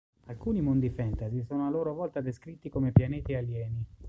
Alcuni mondi fantasy sono a loro volta descritti come pianeti alieni.